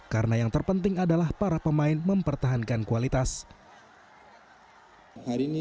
karena yang terpenting adalah para pemain mempertahankan